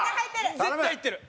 絶対入ってる！